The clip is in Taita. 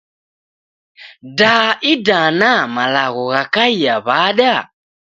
Da idana malagho ghakaia wada?